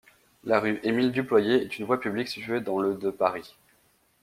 La rue Émile-Duployé est une voie publique située dans le de Paris.